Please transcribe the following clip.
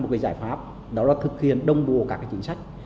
một cái giải pháp đó là thực hiện đông đùa các cái chính sách